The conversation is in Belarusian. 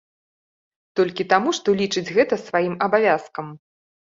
Толькі таму, што лічыць гэта сваім абавязкам.